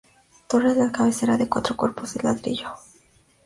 Torre a la cabecera, de cuatro cuerpos y ladrillo.